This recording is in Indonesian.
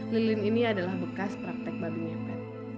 lulin ini adalah bekas praktek babi ngepet